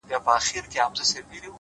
دا خو ډيره گرانه ده”